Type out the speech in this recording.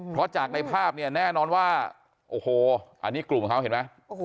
เพราะจากในภาพเนี่ยแน่นอนว่าโอ้โหอันนี้กลุ่มเขาเห็นไหม